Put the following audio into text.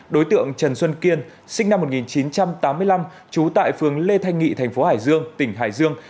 đối tượng trần xuân kiên sinh năm một nghìn chín trăm tám mươi năm trú tại phường lê thanh nghị thành phố hải dương tỉnh hải dương